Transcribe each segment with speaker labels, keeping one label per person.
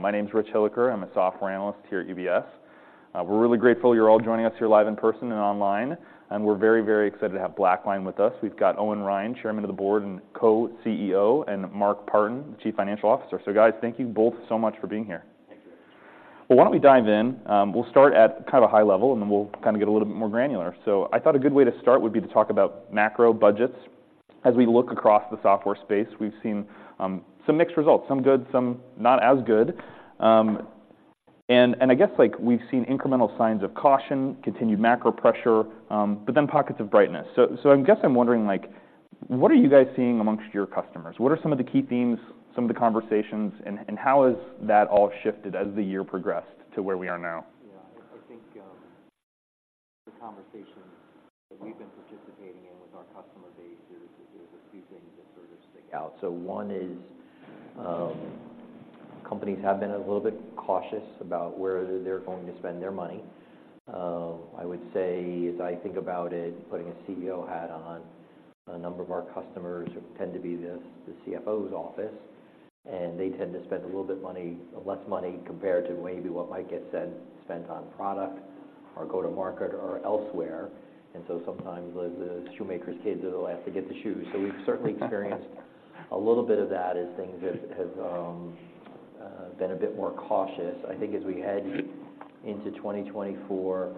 Speaker 1: My name's Rich Hilliker. I'm a software analyst here at UBS. We're really grateful you're all joining us here live in person and online, and we're very, very excited to have BlackLine with us. We've got Owen Ryan, Chairman of the Board and Co-CEO, and Mark Partin, the Chief Financial Officer. So guys, thank you both so much for being here.
Speaker 2: Thank you.
Speaker 1: Well, why don't we dive in? We'll start at kind of a high level, and then we'll kind of get a little bit more granular. So I thought a good way to start would be to talk about macro budgets. As we look across the software space, we've seen some mixed results, some good, some not as good. And I guess, like, we've seen incremental signs of caution, continued macro pressure, but then pockets of brightness. So I guess I'm wondering, like, what are you guys seeing amongst your customers? What are some of the key themes, some of the conversations, and how has that all shifted as the year progressed to where we are now?
Speaker 2: Yeah, I think the conversations that we've been participating in with our customer base is a few things that sort of stick out. So one is, companies have been a little bit cautious about where they're going to spend their money. I would say, as I think about it, putting a CEO hat on, a number of our customers tend to be the CFO's office, and they tend to spend a little bit less money compared to maybe what might get spent on product or go-to-market or elsewhere, and so sometimes the shoemaker's kids are the last to get the shoes. So we've certainly experienced a little bit of that as things have been a bit more cautious. I think as we head into 2024,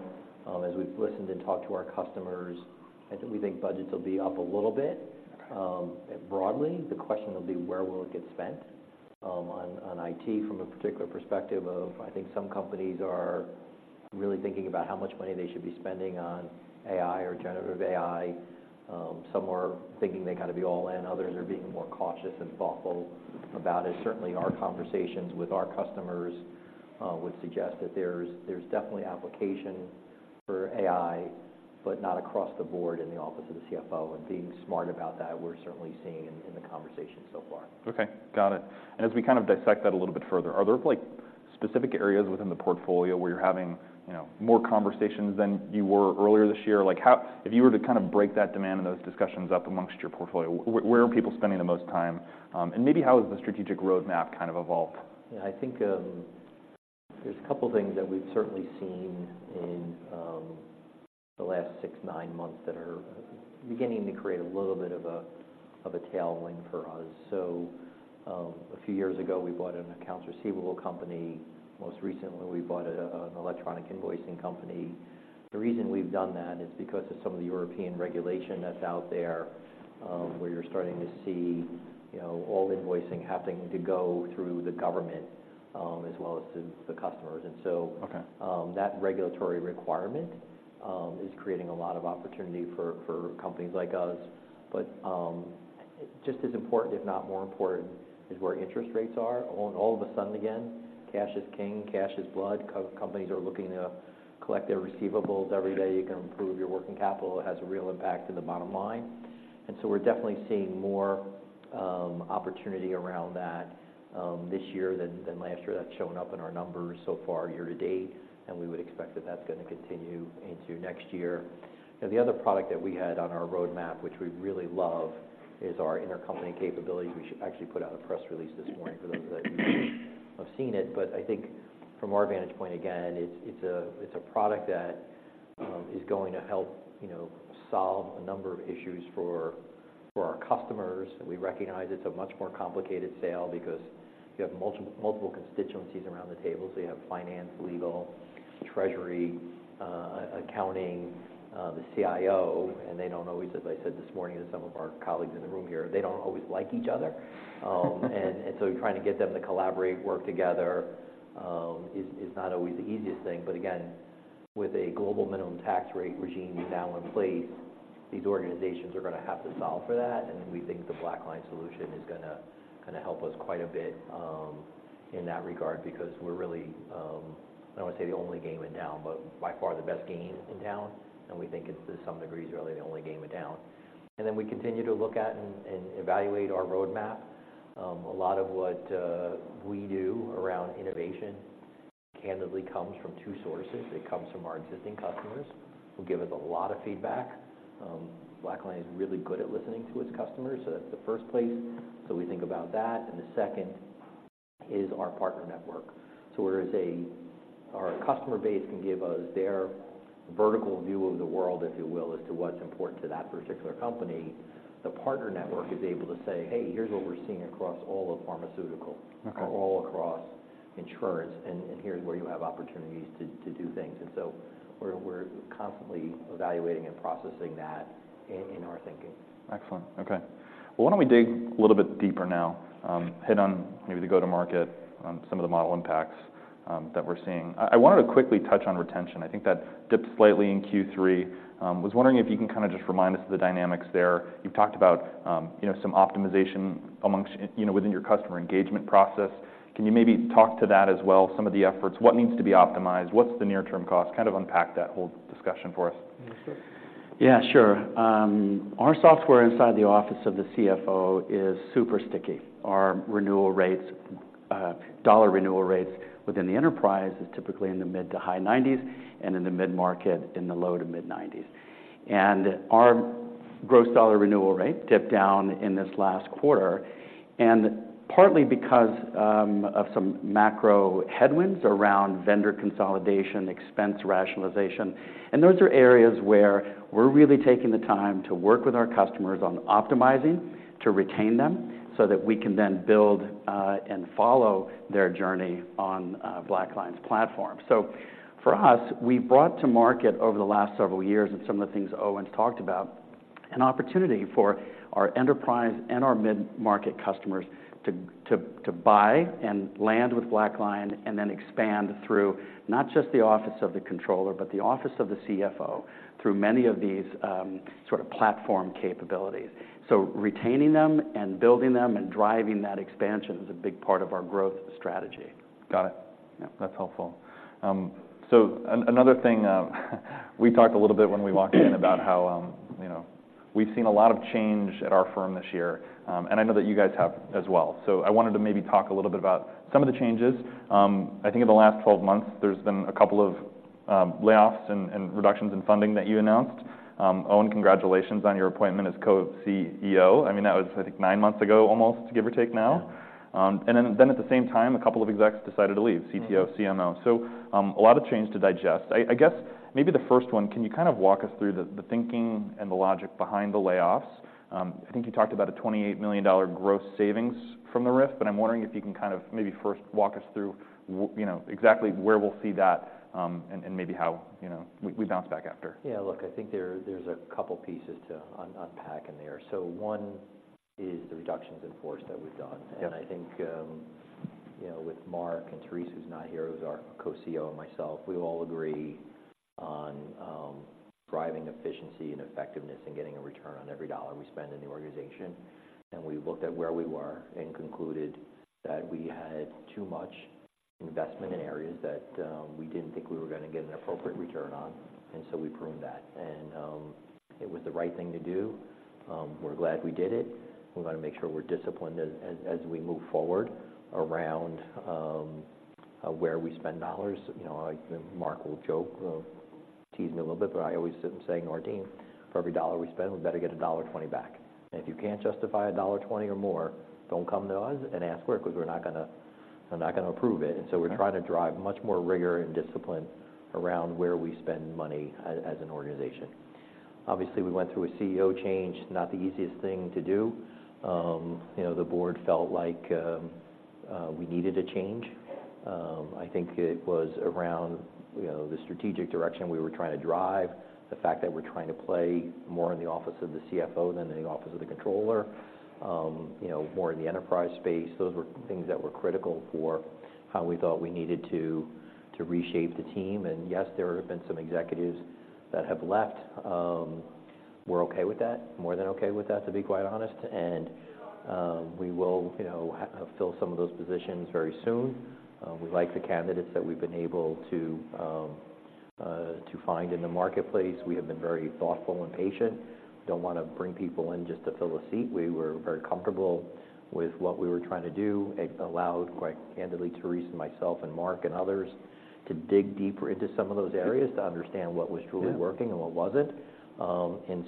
Speaker 2: as we've listened and talked to our customers, I think we think budgets will be up a little bit.
Speaker 1: Okay.
Speaker 2: Broadly, the question will be: where will it get spent? On IT, from a particular perspective of... I think some companies are really thinking about how much money they should be spending on AI or generative AI. Some are thinking they got to be all in, others are being more cautious and thoughtful about it. Certainly, our conversations with our customers would suggest that there's definitely application for AI, but not across the board in the office of the CFO. And being smart about that, we're certainly seeing in the conversation so far.
Speaker 1: Okay, got it. And as we kind of dissect that a little bit further, are there, like, specific areas within the portfolio where you're having, you know, more conversations than you were earlier this year? Like, how, if you were to kind of break that demand and those discussions up amongst your portfolio, where are people spending the most time? And maybe how has the strategic roadmap kind of evolved?
Speaker 2: Yeah, I think there's a couple things that we've certainly seen in the last six to nine months that are beginning to create a little bit of a tailwind for us. So, a few years ago, we bought an accounts receivable company. Most recently, we bought an electronic invoicing company. The reason we've done that is because of some of the European regulation that's out there, where you're starting to see, you know, all invoicing having to go through the government, as well as the customers. And so-
Speaker 1: Okay...
Speaker 2: that regulatory requirement is creating a lot of opportunity for companies like us. But just as important, if not more important, is where interest rates are. All of a sudden, again, cash is king, cash is blood. Companies are looking to collect their receivables every day. You can improve your working capital. It has a real impact to the bottom line. And so we're definitely seeing more opportunity around that this year than last year. That's shown up in our numbers so far year to date, and we would expect that that's going to continue into next year. Now, the other product that we had on our roadmap, which we really love, is our Intercompany Capabilities. We actually put out a press release this morning for those of you who have seen it. But I think from our vantage point, again, it's a product that is going to help, you know, solve a number of issues for our customers. And we recognize it's a much more complicated sale because you have multiple constituencies around the table. So you have finance, legal, treasury, accounting, the CIO, and they don't always like each other. As I said this morning to some of our colleagues in the room here, they don't always like each other. And so trying to get them to collaborate, work together is not always the easiest thing. But again, with a Global Minimum Tax rate regime now in place, these organizations are gonna have to solve for that, and we think the BlackLine solution is gonna help us quite a bit in that regard, because we're really, I don't want to say the only game in town, but by far the best game in town, and we think it's, to some degree, really the only game in town. And then we continue to look at and evaluate our roadmap. A lot of what we do around innovation candidly comes from two sources. It comes from our existing customers, who give us a lot of feedback. BlackLine is really good at listening to its customers, so that's the first place. So we think about that. And the second is our partner network. So whereas our customer base can give us their vertical view of the world, if you will, as to what's important to that particular company, the partner network is able to say, "Hey, here's what we're seeing across all of pharmaceutical-
Speaker 1: Okay...
Speaker 2: or all across insurance, and here's where you have opportunities to do things. And so we're constantly evaluating and processing that in our thinking.
Speaker 1: Excellent. Okay. Well, why don't we dig a little bit deeper now, hit on maybe the go-to-market, some of the model impacts, that we're seeing. I wanted to quickly touch on retention. I think that dipped slightly in Q3. Was wondering if you can kind of just remind us of the dynamics there. You've talked about, you know, some optimization among, you know, within your customer engagement process. Can you maybe talk to that as well, some of the efforts? What needs to be optimized? What's the near-term cost? Kind of unpack that whole discussion for us.
Speaker 2: Sure.
Speaker 1: Yeah, sure. Our software inside the office of the CFO is super sticky. Our renewal rates, dollar renewal rates within the enterprise is typically in the mid- to high-90s, and in the mid-market, in the low- to mid-90s. And our-...
Speaker 3: gross dollar renewal rate dipped down in this last quarter, and partly because of some macro headwinds around vendor consolidation, expense rationalization. And those are areas where we're really taking the time to work with our customers on optimizing to retain them, so that we can then build and follow their journey on BlackLine's platform. So for us, we brought to market over the last several years, and some of the things Owen's talked about, an opportunity for our enterprise and our mid-market customers to buy and land with BlackLine, and then expand through not just the office of the controller, but the office of the CFO, through many of these sort of platform capabilities. So retaining them and building them and driving that expansion is a big part of our growth strategy.
Speaker 1: Got it.
Speaker 3: Yeah.
Speaker 1: That's helpful. So another thing, we talked a little bit when we walked in about how, you know, we've seen a lot of change at our firm this year, and I know that you guys have as well. So I wanted to maybe talk a little bit about some of the changes. I think in the last 12 months, there's been a couple of layoffs and reductions in funding that you announced. Owen, congratulations on your appointment as Co-CEO. I mean, that was, I think, nine months ago almost, give or take now.
Speaker 2: Yeah.
Speaker 1: And then at the same time, a couple of execs decided to leave-
Speaker 2: Mm.
Speaker 1: CPO, CMO. So, a lot of change to digest. I guess maybe the first one, can you kind of walk us through the thinking and the logic behind the layoffs? I think you talked about a $28 million gross savings from the RIF, but I'm wondering if you can kind of maybe first walk us through you know, exactly where we'll see that, and maybe how, you know, we bounce back after.
Speaker 2: Yeah, look, I think there, there's a couple pieces to unpack in there. So one is the reductions in force that we've done.
Speaker 1: Yeah.
Speaker 2: I think, you know, with Mark and Therese, who's not here, who's our co-CEO, and myself, we all agree on driving efficiency and effectiveness and getting a return on every dollar we spend in the organization. We looked at where we were and concluded that we had too much investment in areas that we didn't think we were gonna get an appropriate return on, and so we pruned that. It was the right thing to do. We're glad we did it. We're gonna make sure we're disciplined as we move forward around where we spend dollars. You know, like, Mark will joke or tease me a little bit, but I always sit saying, "Our team, for every dollar we spend, we better get a $1.20 back. If you can't justify $1.20 or more, don't come to us and ask for it, 'cause we're not gonna, we're not gonna approve it.
Speaker 1: Okay.
Speaker 2: We're trying to drive much more rigor and discipline around where we spend money as an organization. Obviously, we went through a CEO change, not the easiest thing to do. You know, the board felt like we needed a change. I think it was around, you know, the strategic direction we were trying to drive, the fact that we're trying to play more in the office of the CFO than in the office of the controller, you know, more in the enterprise space. Those were things that were critical for how we thought we needed to reshape the team. Yes, there have been some executives that have left. We're okay with that, more than okay with that, to be quite honest. We will, you know, fill some of those positions very soon. We like the candidates that we've been able to find in the marketplace. We have been very thoughtful and patient. We don't wanna bring people in just to fill a seat. We were very comfortable with what we were trying to do. It allowhd, quite candidly, Therese and myself and Mark and others, to dig deeper into some of those areas-
Speaker 1: Yeah...
Speaker 2: to understand what was truly working and what wasn't.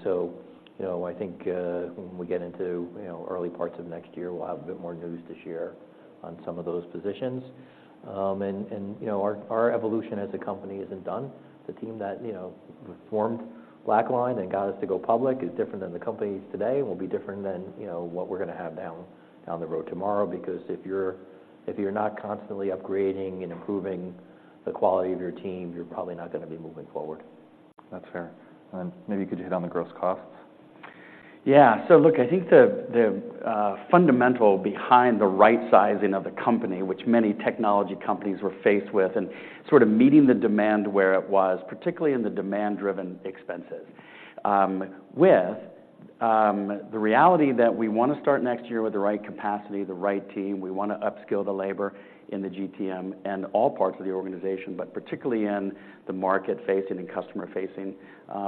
Speaker 2: So, you know, I think when we get into, you know, early parts of next year, we'll have a bit more news to share on some of those positions. And, you know, our evolution as a company isn't done. The team that, you know, formed BlackLine and got us to go public is different than the company today, and will be different than, you know, what we're gonna have down the road tomorrow, because if you're not constantly upgrading and improving the quality of your team, you're probably not gonna be moving forward.
Speaker 1: That's fair. Maybe could you hit on the gross costs?
Speaker 3: Yeah. So look, I thInk the fundamental behind the right sizing of the company, which many technology companies were faced with, and sort of meeting the demand where it was, particularly in the demand-driven expenses, with the reality that we wanna start next year with the right capacity, the right team. We wanna upskill the labor in the GTM and all parts of the organization, but particularly in the market-facing and customer-facing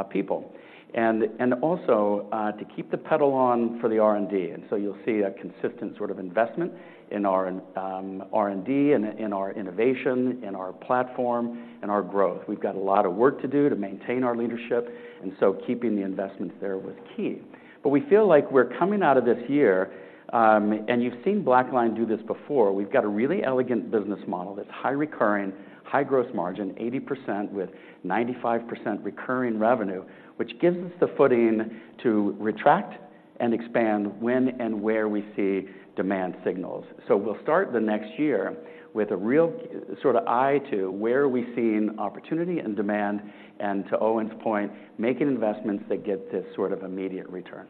Speaker 3: people. And also to keep the pedal on for the R&D. And so you'll see a consistent sort of investment in our R&D and in our innovation, in our platform, in our growth. We've got a lot of work to do to maintain our leadership, and so keeping the investments there was key. But we feel like We're coming out of this year, and you've seen BlackLine do this before. We've got a really elegant business model that's high recurring, high growth margin, 80% with 95% recurring revenue, which gives us the footing to retract and expand when and where we see demand signals. So we'll start the next year with a real sort of eye to where are we seeing opportunity and demand, and to Owen's point, making investments that get this sort of immediate return.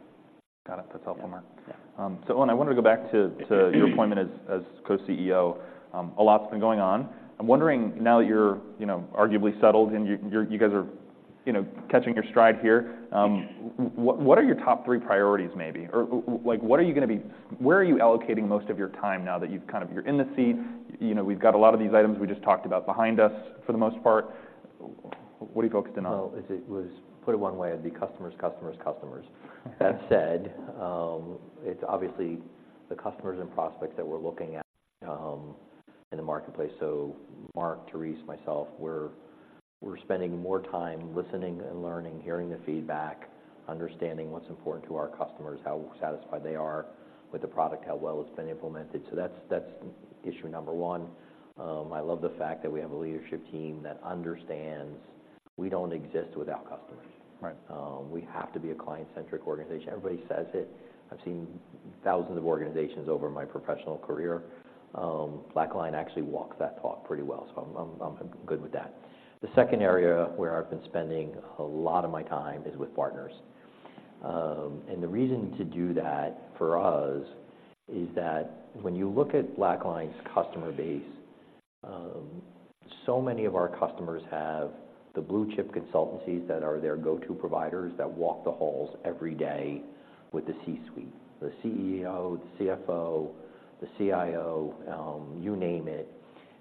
Speaker 1: Got it.
Speaker 3: Yeah.
Speaker 1: That's helpful, Mark.
Speaker 3: Yeah.
Speaker 1: So Owen, I want to go back to your appointment as Co-CEO. A lot's been going on. I'm wondering, now that you're, you know, arguably settled and you guys are, you know, catching your stride here, what are your top three priorities maybe? Or like, what are you gonna be where are you allocating most of your time now that you've kind of... You're in the seat, you know, we've got a lot of these items we just talked about behind us for the most part. What are you focused in on?
Speaker 2: Well, if it was, put it one way, it'd be customers, customers, customers. That said, it's obviously the customers and prospects that we're looking at in the marketplace. So Mark, Therese, myself, we're spending more time listening and learning, hearing the feedback, understanding what's important to our customers, how satisfied they are with the product, how well it's been implemented. So that's, that's issue number one. I love the fact that we have a leadership team that understands we don't exist without customers.
Speaker 1: Right.
Speaker 2: We have to be a client-centric organization. Everybody says it. I've seen thousands of organizations over my professional career. BlackLine actually walks that talk pretty well, so I'm good with that. The second area where I've been spending a lot of my time is with partners. The reason to do that, for us, is that when you look at BlackLine's customer base, so many of our customers have the blue-chip consultancies that are their go-to providers, that walk the halls every day with the C-suite, the CEO, the CFO, the CIO, you name it.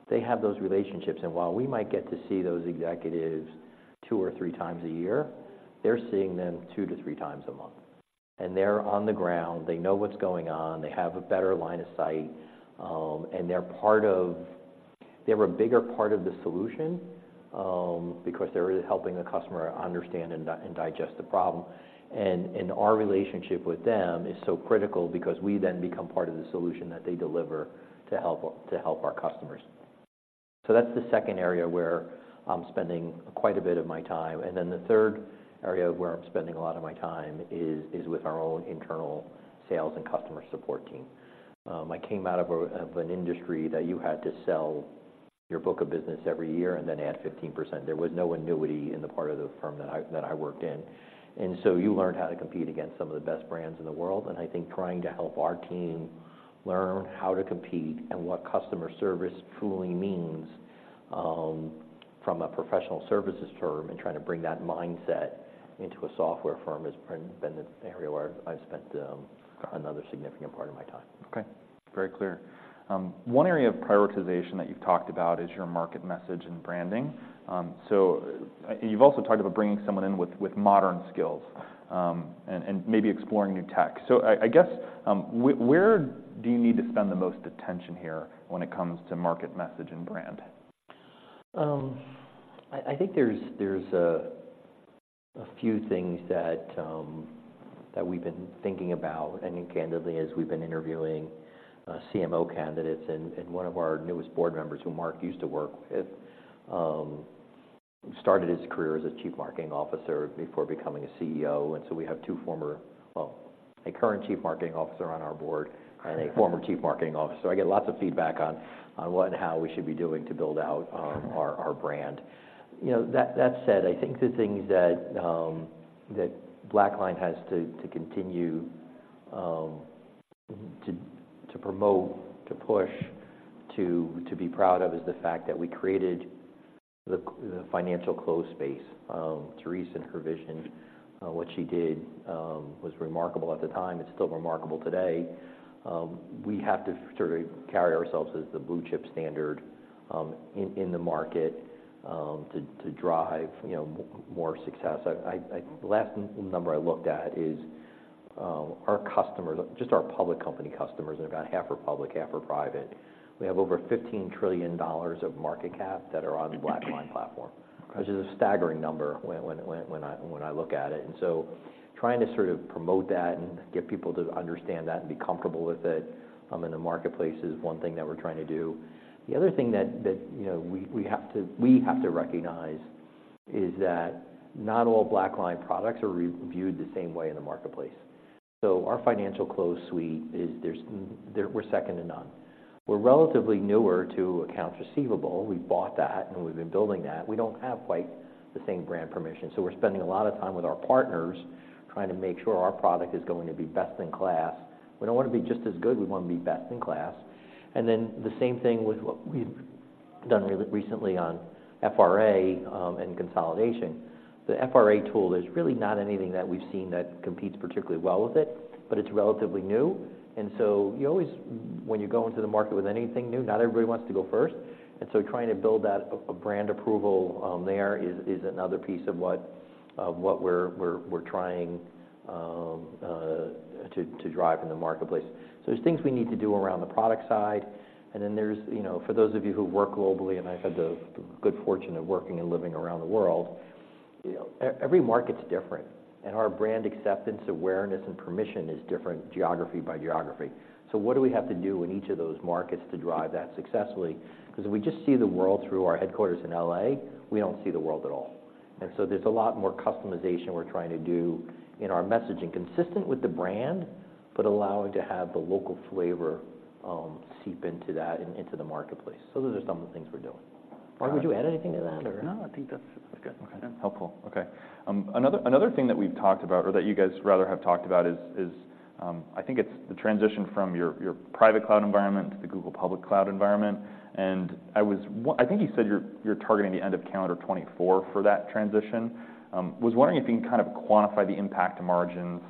Speaker 2: They have those relationships, and while we might get to see those executives two or three times a year, they're seeing them two to three times a month. They're on the ground, they know what's going on, they have a better line of sight, and they're a bigger part of the solution, because they're really helping the customer understand and digest the problem. Our relationship with them is so critical because we then become part of the solution that they deliver to help our customers. So that's the second area where I'm spending quite a bit of my time. And then the third area where I'm spending a lot of my time is with our own internal sales and customer support team. I came out of an industry that you had to sell your book of business every year and then add 15%. There was no annuity in the part of the firm that I worked in. And so you learned how to compete against some of the best brands in the world, and I think trying to help our team learn how to compete and what customer service truly means from a professional services firm and trying to bring that mindset into a software firm has been the area where I've spent another significant part of my time.
Speaker 1: Okay, very clear. One area of prioritization that you've talked about is your market message and branding. So, you've also talked about bringing someone in with modern skills, and maybe exploring new tech. So I guess, where do you need to spend the most attention here when it comes to market message and brand?
Speaker 2: I think there's a few things that we've been thinking about, and candidly, as we've been interviewing, CMO candidates. And one of our newest board members, who Mark used to work with, started his career as a chief marketing officer before becoming a CEO, and so we have two former... Well, a current chief marketing officer on our board, and a former chief marketing officer. So I get lots of feedback on what and how we should be doing to build out our brand. You know, that said, I think the things that BlackLine has to continue to promote, to push, to be proud of, is the fact that we created the financial close space. Therese and her vision, what she did, was remarkable at the time; it's still remarkable today. We have to sort of carry ourselves as the blue-chip standard in the market to drive, you know, more success. The last number I looked at is our customers, just our public company customers, and about half are public, half are private. We have over $15 trillion of market cap that are on the BlackLine platform-
Speaker 1: Okay
Speaker 2: which is a staggering number when I look at it. And so trying to sort of promote that and get people to understand that and be comfortable with it in the marketplace is one thing that we're trying to do. The other thing that, you know, we have to recognize is that not all BlackLine products are reviewed the same way in the marketplace. So our Financial Close Suite is. There, we're second to none. We're relatively newer to accounts receivable. We bought that, and we've been building that. We don't have quite the same brand permission, so we're spending a lot of time with our partners, trying to make sure our product is going to be best-in-class. We don't want to be just as good, we want to be best-in-class. And then the same thing with what we've done recently on FRA, and consolidation. The FRA tool, there's really not anything that we've seen that competes particularly well with it, but it's relatively new, and so you always... When you go into the market with anything new, not everybody wants to go first, and so trying to build that brand approval there is another piece of what we're trying to drive in the marketplace. So there's things we need to do around the product side, and then there's you know, for those of you who work globally, and I've had the good fortune of working and living around the world, you know, every market's different, and our brand acceptance, awareness, and permission is different geography by geography. So what do we have to do in each of those markets to drive that successfully? 'Cause if we just see the world through our headquarters in L.A., we don't see the world at all. And so there's a lot more customization we're trying to do in our messaging, consistent with the brand, but allowing to have the local flavor, seep into that and into the marketplace. So those are some of the things we're doing. Mark, would you add anything to that or?
Speaker 3: No, I think that's, that's good.
Speaker 2: Okay. Helpful. Okay, another thing that we've talked about, or that you guys rather have talked about, is, is-...
Speaker 1: I think it's the transition from your, your private cloud environment to the Google public cloud environment, and I was I think you said you're, you're targeting the end of calendar 2024 for that transition. Was wondering if you can kind of quantify the impact to margins,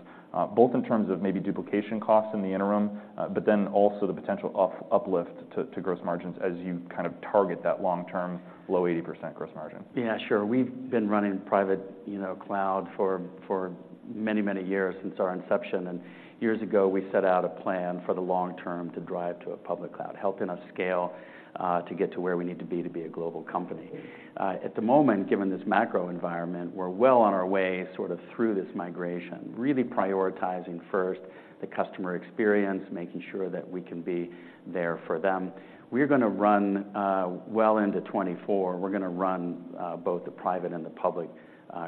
Speaker 1: both in terms of maybe duplication costs in the interim, but then also the potential uplift to, to gross margins as you kind of target that long-term, low 80% gross margin.
Speaker 2: Yeah, sure. We've been running private, you know, cloud for, for many, many years, since our inception, and years ago, we set out a plan for the long term to drive to a public cloud, helping us scale, to get to where we need to be to be a global company. At the moment, given this macro environment, we're well on our way sort of through this migration, really prioritizing first the customer experience, making sure that we can be there for them. We're gonna run well into 2024. We're gonna run both the private and the public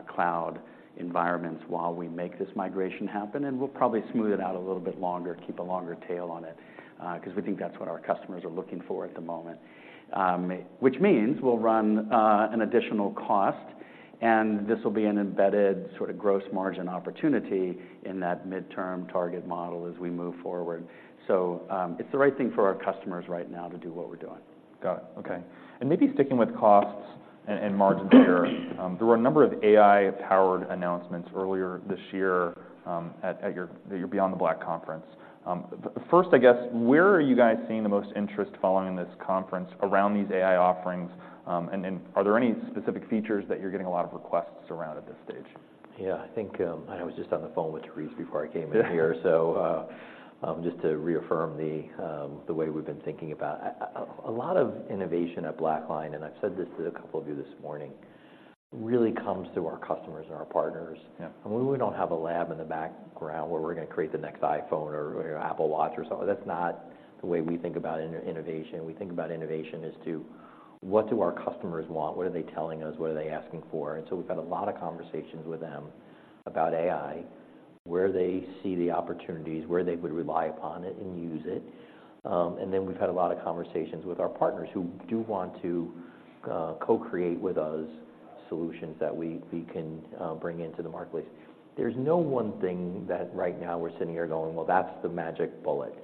Speaker 2: cloud environments while we make this migration happen, and we'll probably smooth it out a little bit longer, keep a longer tail on it, 'cause we think that's what our customers are looking for at the moment. which means we'll run an additional cost, and this will be an embedded sort of gross margin opportunity in that midterm target model as we move forward. It's the right thing for our customers right now to do what we're doing.
Speaker 1: Got it. Okay. Maybe sticking with costs and margins here, there were a number of AI-powered announcements earlier this year at your Beyond the Black conference. First, I guess, where are you guys seeing the most interest following this conference around these AI offerings, and then are there any specific features that you're getting a lot of requests around at this stage?
Speaker 2: Yeah, I think I was just on the phone with Therese before I came in here. So, just to reaffirm the way we've been thinking about a lot of innovation at BlackLine, and I've said this to a couple of you this morning, really comes through our customers and our partners.
Speaker 1: Yeah.
Speaker 2: We don't have a lab in the background where we're gonna create the next iPhone or Apple Watch or something. That's not the way we think about innovation. We think about innovation as to: what do our customers want? What are they telling us? What are they asking for? And so we've had a lot of conversations with them about AI, where they see the opportunities, where they would rely upon it and use it. Then we've had a lot of conversations with our partners, who do want to co-create with us, solutions that we can bring into the marketplace. There's no one thing that right now we're sitting here going, "Well, that's the magic bullet."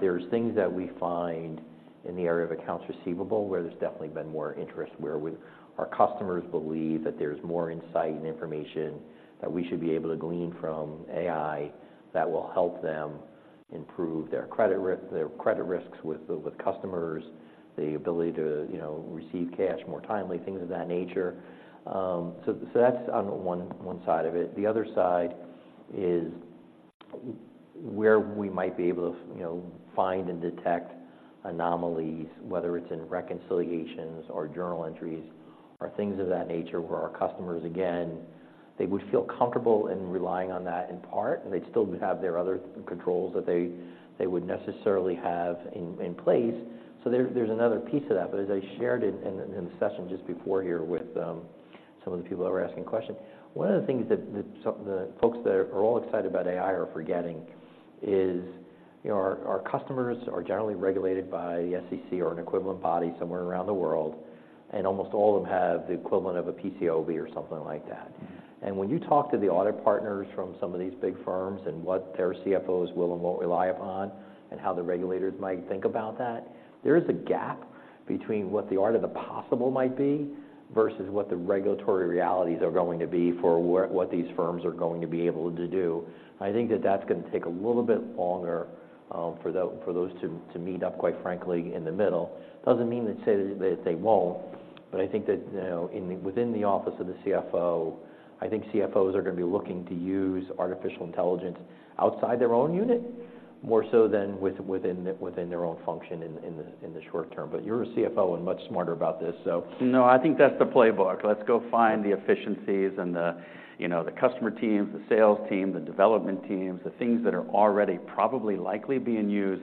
Speaker 2: There's things that we find in the area of accounts receivable, where there's definitely been more interest, where we, our customers believe that there's more insight and information that we should be able to glean from AI that will help them improve their credit risk, their credit risks with the, with customers, the ability to, you know, receive cash more timely, things of that nature. So that's on the one side of it. The other side is where we might be able to, you know, find and detect anomalies, whether it's in reconciliations or journal entries or things of that nature, where our customers, again, they would feel comfortable in relying on that in part, and they'd still would have their other controls that they would necessarily have in place. So there's another piece to that, but as I shared it in the session just before here with some of the people that were asking questions, one of the things that the folks that are all excited about AI are forgetting is, you know, our customers are generally regulated by the SEC or an equivalent body somewhere around the world, and almost all of them have the equivalent of a PCAOB or something like that.
Speaker 1: Mm-hmm.
Speaker 2: And when you talk to the audit partners from some of these big firms, and what their CFOs will and won't rely upon, and how the regulators might think about that, there is a gap between what the art of the possible might be versus what the regulatory realities are going to be far what these firms are going to be able to do. I think that that's gonna take a little bit longer for those to meet up, quite frankly, in the middle. Doesn't mean to say that they won't, but I think that, you know, within the office of the CFO, I think CFOs are gonna be looking to use artificial intelligence outside their own unit, more so than within their own function in the short term. But you're a CFO and much smarter about this, so... No, I think that's the playbook. Let's go find the efficiencies and the, you know, the customer teams, the sales team, the development teams, the things that are already probably likely being used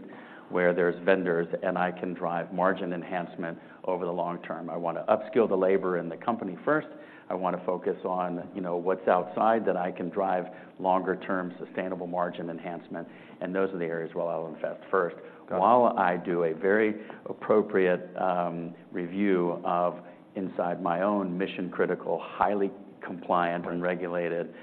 Speaker 2: where there's vendors, and I can drive margin enhancement over the long term. I want to upskill the labor in the company first. I want to focus on, you know, mhat's outside, that I can drive longer-term, sustainable margin enhancement, and those are the areas where I'll invest first- Got it. -while I do a very appropriate review of inside my own mission-critical, highly compliant- Right...
Speaker 1: and regulated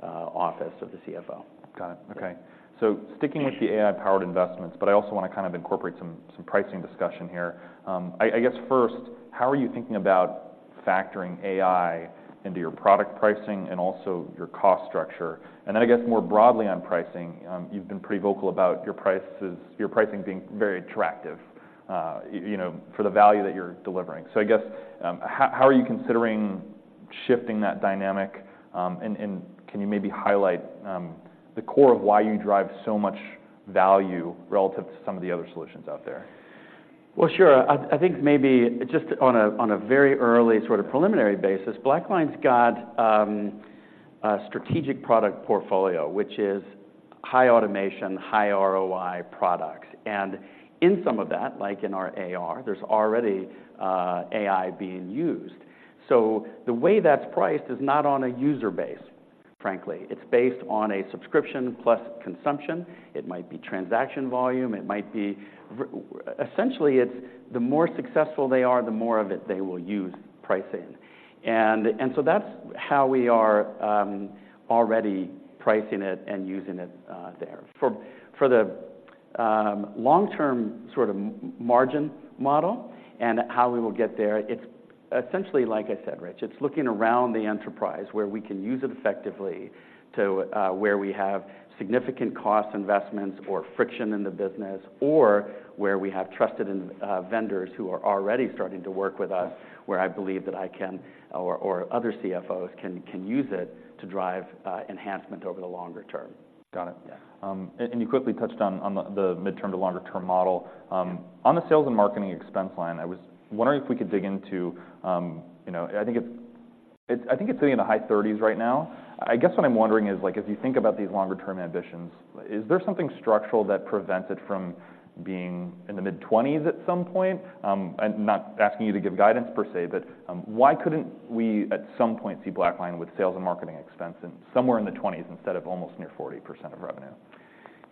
Speaker 1: office of the CFO. Got it. Okay. So sticking with the AI-powered investments, but I also want to kind of incorporate some pricing discussion here. I guess, first, how are you thinking about factoring AI into your product pricing and also your cost structure? And then I guess, more broadly on pricing, you've been pretty vocal about your pricing being very attractive, you know, for the value that you're delivering. So I guess, how are you considering shifting that dynamic? And can you maybe highlight the core of why you drive so much value relative to some of the other solutions out there?
Speaker 2: Well, sure. I think maybe just on a very early, sort of preliminary basis, BlackLine's got a strategic product portfolio, which is high automation, high ROI products. And in some of that, like in our AR, there's already AI being used. So the way that's priced is not on a user base, frankly. It's based on a subscription plus consumption. It might be transaction volume; essentially, it's the more successful they are, the more of it they will use pricing. And so that's how we are already pricing it and using it there. For the-...
Speaker 3: long-term sort of margin model and how we will get there, it's essentially, like I said, Rich, it's looking around the enterprise where we can use it effectively to where we have significant cost investments or friction in the business, or where we have trusted in vendors who are already starting to work with us, where I believe that I can or other CFOs can use it to drive enhancement over the longer term.
Speaker 1: Got it.
Speaker 3: Yeah.
Speaker 1: And you quickly touched on the midterm to longer term model.
Speaker 3: Yeah.
Speaker 1: On the sales and marketing expense line, I was wondering if we could dig into, you know, I think it's, I think it's sitting in the high 30s right now. I guess what I'm wondering is, like, as you think about these longer term ambitions, is there something structural that prevents it from being in the mid-20s at some point? I'm not asking you to give guidance per se, but, why couldn't we, at some point, see BlackLine with sales and marketing expense in somewhere in the 20s, instead of almost near 40% of revenue?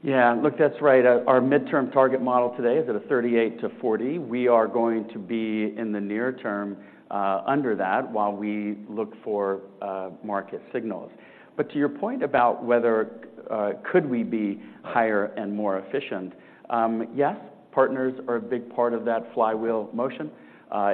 Speaker 3: Yeah, look, that's right. Our midterm target model today is at a 38-40. We are going to be, in the near term, under that, while we look for market signals. But to your point about whether could we be higher and more efficient, yes, partners are a big part of that flywheel motion.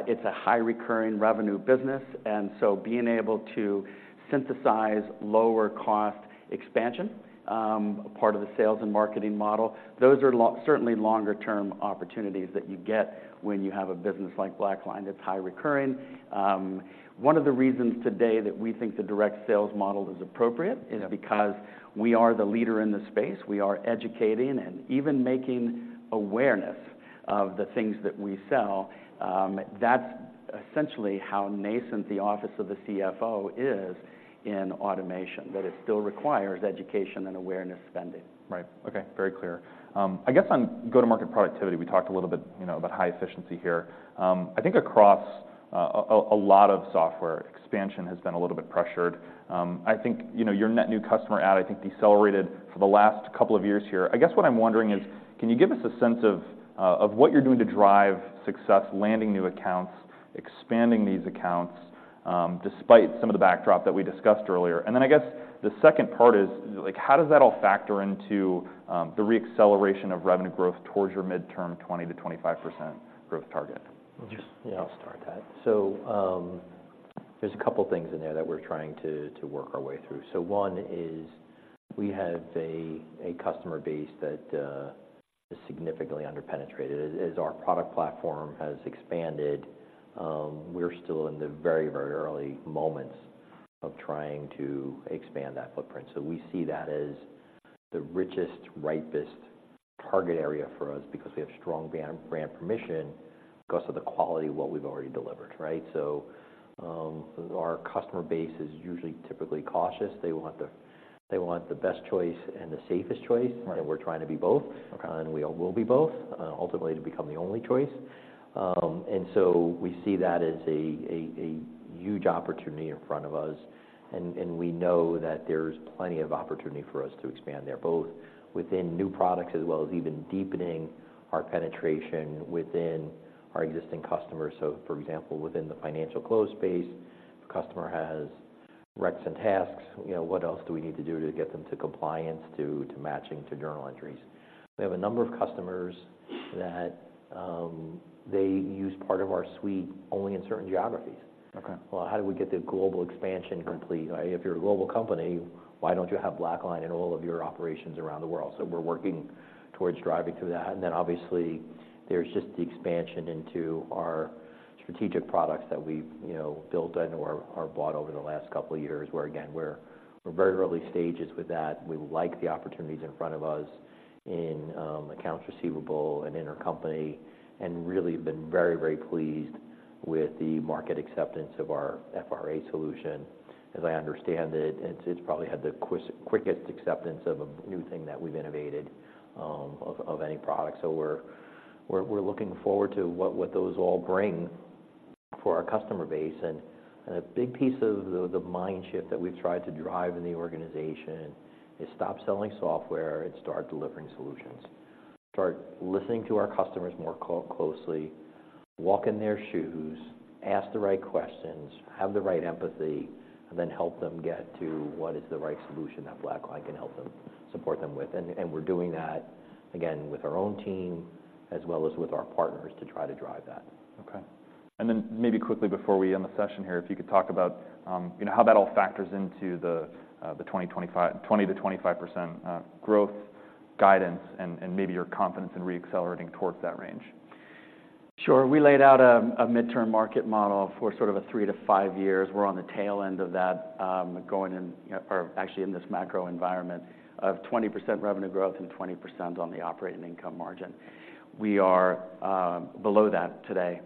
Speaker 3: It's a high recurring revenue business, and so being able to synthesize lower cost expansion, part of the sales and marketing model, those are certainly longer term opportunities that you get when you have a business like BlackLine, that's high recurring. One of the reasons today that we think the direct sales model is appropriate-
Speaker 1: Yeah...
Speaker 3: is because we are the leader in the space, we are educating and even making awareness of the things that we sell. That's essentially how nascent the office of the CFO is in automation, that it still requires education and awareness spending.
Speaker 1: Right. Okay, very clear. I guess on go-to-market productivity, we talked a little bit, you know, about high efficiency here. I think across a lot of software expansion has been a little bit pressured. I think, you know, your net new customer add, I think, decelerated for the last couple of years here. I guess what I'm wondering is, can you give us a sense of what you're doing to drive success, landing new accounts, expanding these accounts, despite some of the backdrop that we discussed earlier? And then, I guess, the second part is, like, how does that all factor into the re-acceleration of revenue growth towards your midterm 20%-25% growth target?
Speaker 2: Just-
Speaker 3: Yeah.
Speaker 2: I'll start that. So, there's a couple of things in there that we're trying to work our way through. So one is, we have a customer base that is significantly under-penetrated. As our product platform has expanded, we're still in the very, very early moments of trying to expand that footprint. So we see that as the richest, ripest target area for us, because we have strong brand permission because of the quality of what we've already delivered, right? So, our customer base is usually typically cautious. They want the best choice and the safest choice-
Speaker 1: Right...
Speaker 2: and we're trying to be both.
Speaker 1: Okay.
Speaker 2: We will be both, ultimately, to become the only choice. So we see that as a huge opportunity in front of us, and we know that there's plenty of opportunity for us to expand there, both within new products, as well as even deepening our penetration within our existing customers. So for example, within the financial close space, if a customer has recs and tasks, you know, what else do we need to do to get them to compliance, to matching, to journal entries? We have a number of customers that they use part of our suite only in certain geographies.
Speaker 1: Okay.
Speaker 2: Well, how do we get the global expansion complete? If you're a global company, why don't you have BlackLine in all of your operations around the world? So we're working towards driving to that. And then obviously, there's just the expansion into our strategic products that we've, you know, built and/or bought over the last couple of years, where again, we're very early stages with that. We like the opportunities in front of us in accounts receivable and intercompany, and really been very, very pleased with the market acceptance of our FRA solution. As I understand it, it's probably had the quickest acceptance of a new thing that we've innovated of any product. So we're looking forward to what those all bring for our customer base. A big piece of the mind shift that we've tried to drive in the organization is stop selling software and start delivering solutions. Start listening to our customers more closely, walk in their shoes, ask the right questions, have the right empathy, and then help them get to what is the right solution that BlackLine can help them, support them with. And we're doing that again with our own team, as well as with our partners to try to drive that.
Speaker 1: Okay. And then, maybe quickly before we end the session here, if you could talk about, you know, how that all factors into the 20%-25% growth guidance, and maybe your confidence in re-accelerating towards that range.
Speaker 3: Sure. We laid out a midterm market model for sort of a three to five years. We're on the tail end of that, going in, or actually in this macro environment of 20% revenue growth and 20% on the operating income margin. We are below that today,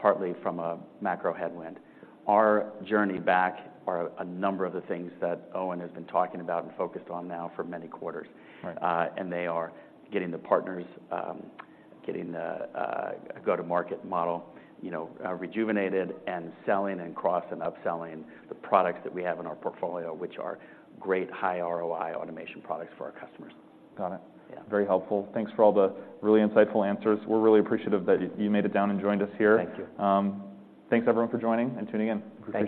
Speaker 3: partly from a macro headwind. Our journey back are a number of the things that Owen has been talking about and focused on now for many quarters.
Speaker 1: Right.
Speaker 3: and they are getting the partners, getting the go-to-market model, you know, rejuvenated and selling and cross- and upselling the products that we have in our portfolio, which are great high ROI automation products for our customers.
Speaker 1: Got it.
Speaker 3: Yeah.
Speaker 1: Very helpful. Thanks for all the really insightful answers. We're really appreciative that you made it down and joined us here.
Speaker 3: Thank you.
Speaker 1: Thanks, everyone, for joining and tuning in.
Speaker 3: Thank you.